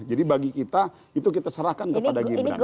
jadi bagi kita itu kita serahkan kepada gibran